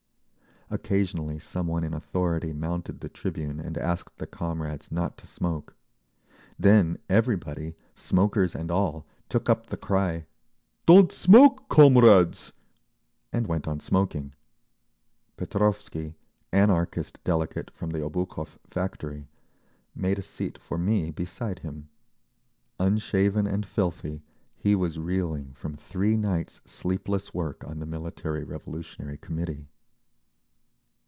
Occasionally some one in authority mounted the tribune and asked the comrades not to smoke; then everybody, smokers and all, took up the cry "Don't smoke, comrades!" and went on smoking. Petrovsky, Anarchist delegate from the Obukhov factory, made a seat for me beside him. Unshaven and filthy, he was reeling from three nights' sleepless work on the Military Revolutionary Committee.